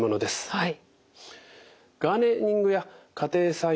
はい。